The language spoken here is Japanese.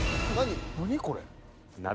何これ。